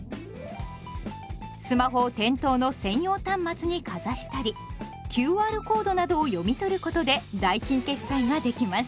スマホを店頭の専用端末にかざしたりＱＲコードなどを読み取ることで代金決済ができます。